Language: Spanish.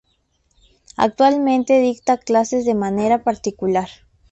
Actualmente dicta clases de manera particular.